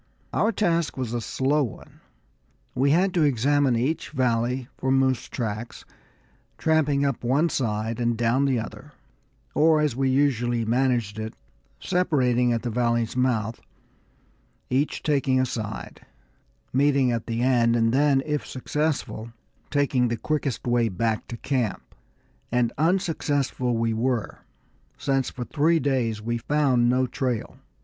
Our task was a slow one; we had to examine each valley for moose tracks, tramping up one side and down the other, or as we usually managed it, separating at the valley's mouth, each taking a side, meeting at the end and then, if unsuccessful, taking the quickest way back to camp. And unsuccessful we were, since for three days we found no trail.